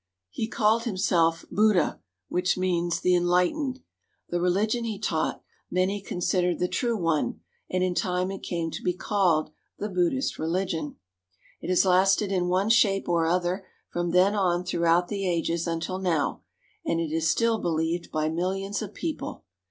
He called himself Buddha, which means " the enlightened." The religion he taught, many considered the true one, and in time it came to be called the Buddhist religion. It has lasted in one shape or other from then on throughout the ages until now, and it is still believed by millions of people.